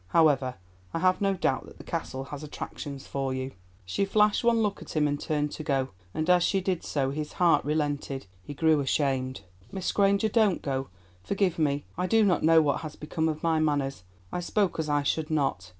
However, I have no doubt that the Castle has attractions for you." She flashed one look at him and turned to go, and as she did so his heart relented; he grew ashamed. "Miss Granger, don't go; forgive me. I do not know what has become of my manners, I spoke as I should not.